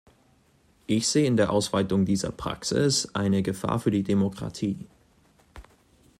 Ich sehe in der Ausweitung dieser Praxis eine Gefahr für die Demokratie.